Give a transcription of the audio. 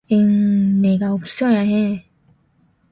엥, 내가 없어야 해.